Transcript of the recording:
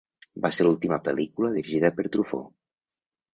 Va ser l'última pel·lícula dirigida per Truffaut.